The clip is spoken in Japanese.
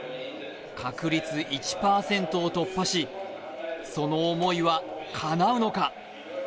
確率１％を突破し、その思いはかなうのか。